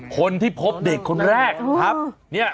คนที่พบเด็กคนแรกครับ